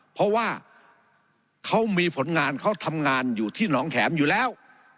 เพราะว่าเขามีผลงานเขาทำงานอยู่ที่หนองแข็มอยู่แล้ว